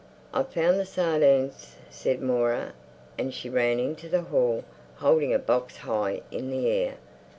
"I've found the sardines," said Moira, and she ran into the hall, holding a box high in the air.